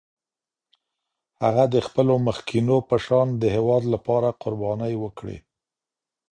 هغه د خپلو مخکینو په شان د هېواد لپاره قربانۍ وکړې.